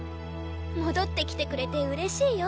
戻ってきてくれて嬉しいよ。